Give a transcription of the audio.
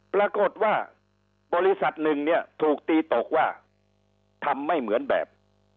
ปรากฏว่าบริษัทหนึ่งเนี่ยถูกตีตกว่าทำไม่เหมือนแบบ